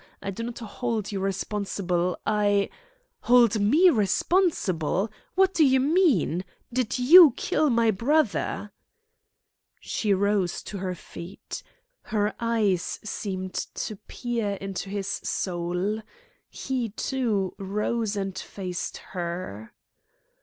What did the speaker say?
I do not hold you responsible. I " "Hold me responsible! What do you mean? Did you kill my brother?" She rose to her feet. Her eyes seemed to peer into his soul. He, too, rose and faced her.